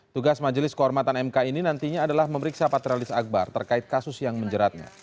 tugas majelis kehormatan mk ini nantinya adalah memeriksa patrialis akbar terkait kasus yang menjeratnya